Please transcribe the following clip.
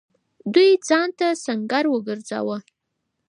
دوی ځان ته سنګر وگرځاوه.